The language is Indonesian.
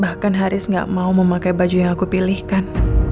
bahkan haris gak mau memakai baju yang aku pilihkan